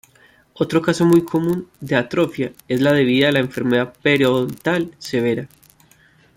Otro caso muy común de atrofia es la debida a la enfermedad periodontal severa.